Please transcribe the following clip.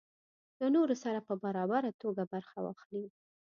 له نورو سره په برابره توګه برخه واخلي.